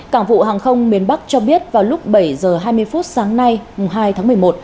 cảng vụ hàng không miền bắc cho biết vào lúc bảy h hai mươi phút sáng nay hai tháng một mươi một